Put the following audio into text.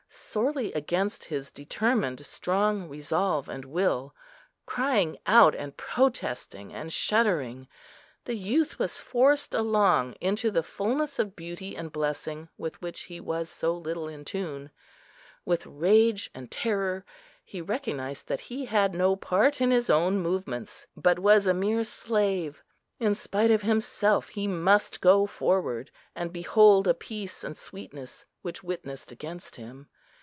Sorely against his determined strong resolve and will, crying out and protesting and shuddering, the youth was forced along into the fulness of beauty and blessing with which he was so little in tune. With rage and terror he recognised that he had no part in his own movements, but was a mere slave. In spite of himself he must go forward and behold a peace and sweetness which witnessed against him.